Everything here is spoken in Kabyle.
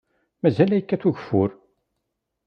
Mazal ad yekkat ugeffur!